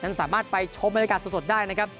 สามารถไปชมบรรยากาศสดได้นะครับ